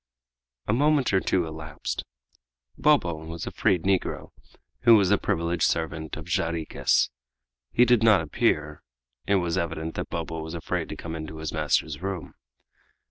A moment or two elapsed. Bobo was a freed negro, who was the privileged servant of Jarriquez. He did not appear; it was evident that Bobo was afraid to come into his master's room.